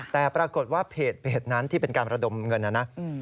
แต่ปรากฏว่าเพจนั้นที่เป็นการระดมเงินนะนะ